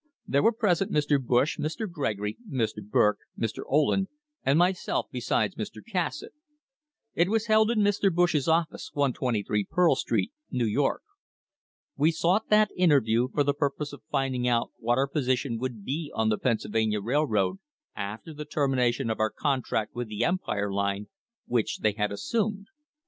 There were present Mr. Bush, Mr. Gregory, Mr. Burke, Mr. Ohlen, and myself, besides Mr. Cassatt. It THE FIGHT FOR THE SEABOARD PIPE LINE was held in Mr. Bush's office, 123 Pearl street, New York. We sought that interview for the purpose of finding out what our position would be on the Pennsylvania Rail road after the termination of our contract with the Empire Line, which they had assumed.